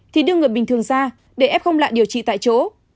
thì đưa người bình thường ra để f không lại điều trị tại chỗ